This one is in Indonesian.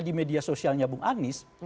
di media sosialnya bung anies